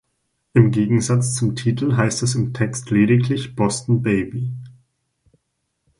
Im Gegensatz zum Titel heißt es im Text lediglich „Boston Baby“.